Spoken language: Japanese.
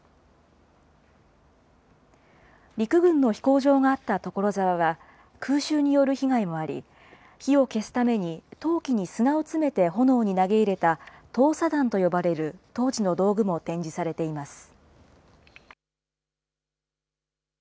陸軍の飛行場があった所沢は、空襲による被害もあり、火を消すために陶器に砂を詰めて炎に投げ入れた、投砂弾と呼ばれる当時の道具も展示されています。